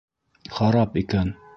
— Харап икән!